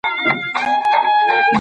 انګریز پوځیان جلال اباد ته ننوتل.